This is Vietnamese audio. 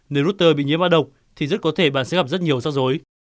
nếu router bị nhiễm ả độc thì rất có thể bạn sẽ gặp rất nhiều xác dối